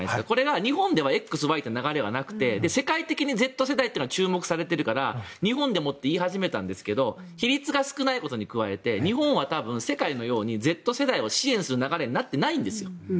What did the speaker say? これが日本ではＸＹＺって流れがなくて、世界的にＺ世代が注目されてるから日本でもって言い始めたんですけど規律が少ないことに加えて日本は多分、世界のようにＺ世代を支援する流れになっていないんですよ。